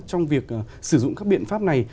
trong việc sử dụng các biện pháp này